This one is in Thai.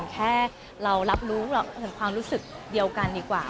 แค่เรารับรู้ถึงความรู้สึกเดียวกันดีกว่า